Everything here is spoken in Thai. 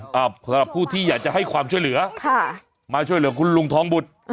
สำหรับผู้ที่อยากจะให้ความช่วยเหลือค่ะมาช่วยเหลือคุณลุงทองบุตร